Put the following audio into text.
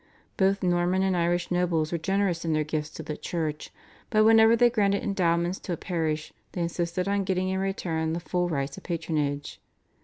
Both Norman and Irish nobles were generous in their gifts to the Church, but whenever they granted endowments to a parish they insisted on getting in return the full rights of patronage.